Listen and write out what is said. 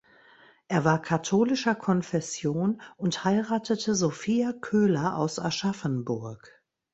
Er war katholischer Konfession und heiratete Sophia Köhler aus Aschaffenburg.